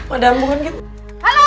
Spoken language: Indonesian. madan bukan gitu